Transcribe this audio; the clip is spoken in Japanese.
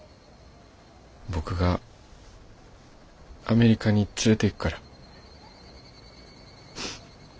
僕がアメリカに連れていくから。